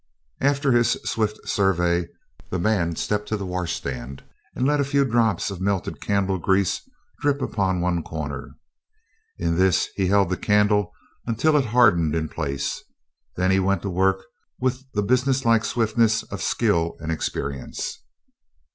After his swift survey, the man stepped to the washstand and let a few drops of melted candle grease drip upon one corner. In this he held the candle until it hardened in place. Then he went to work with the businesslike swiftness of skill and experience.